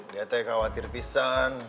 dia teh khawatir pisang